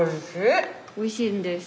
おいしいんです。